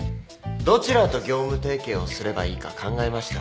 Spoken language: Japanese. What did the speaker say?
どちらと業務提携をすればいいか考えました。